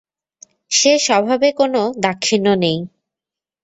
সে স্বভাবে কোনো দাক্ষিণ্য নেই।